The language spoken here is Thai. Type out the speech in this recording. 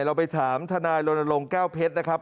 เราไปถามทนายรณรงค์แก้วเพชรนะครับ